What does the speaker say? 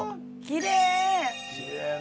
きれいね。